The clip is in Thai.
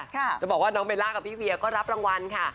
จะบอกว่าน้องเบลล่ากับพี่เวียก็รับรางวัลค่ะ